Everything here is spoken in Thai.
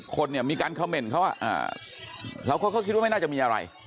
คนเนี่ยมีการเขม่นเขาเราก็คิดว่าไม่น่าจะมีอะไร